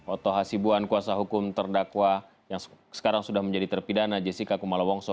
oto hasibuan kuasa hukum terdakwa yang sekarang sudah menjadi terpidana jessica kumala wongso